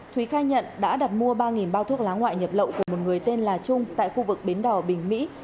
thúy khai nhận đã đặt mua ba bao thuốc lá ngoại nhập lậu của một người tên là trung tại khu vực bến đỏ bình mỹ